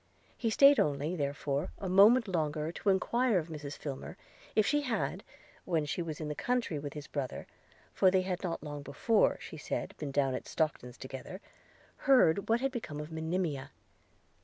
He staid only, therefore, a moment longer to enquire of Mrs Filmer, if she had, when she was in the country with his brother (for they had not long before, she said, been down at Stockton's together), heard what was become of Monimia.